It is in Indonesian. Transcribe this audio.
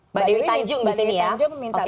mbak dewi tanjung disini ya